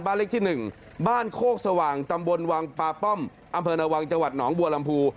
เลขที่๑บ้านโคกสว่างตำบลวังปาป้อมอำเภอนวังจังหวัดหนองบัวลำพู